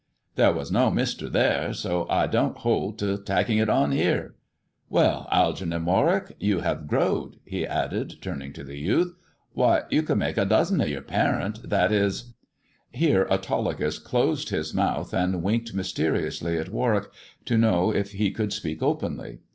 There was no Mister there, so I don't hold to tacking it on here. Well, Algeernon Warwick, you have growed," he added, turning to the youth. " Why, you could make a dozen of your parent. That is " Here Autolycus closed his mouth and winked mysteri ously at Warwick, to know if he could speak openly.